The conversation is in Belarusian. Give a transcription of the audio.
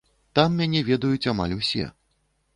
Там мяне ведаюць амаль усе.